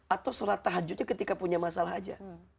atau sholat tahajudnya ketika punya masalah aja